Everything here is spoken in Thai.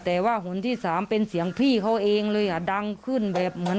แต่ว่าหนที่สามเป็นเสียงพี่เขาเองเลยอ่ะดังขึ้นแบบเหมือน